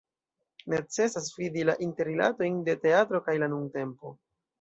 Necesas vidi la interrilatojn de teatro kaj la nuntempo.